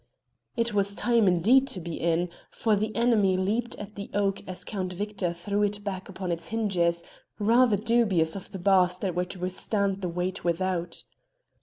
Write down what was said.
It was time, indeed, to be in; for the enemy leaped at the oak as Count Victor threw it back upon its hinges, rather dubious of the bars that were to withstand the weight without.